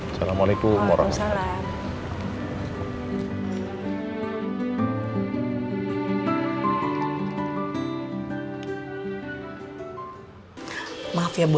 assalamualaikum warahmatullahi wabarakatuh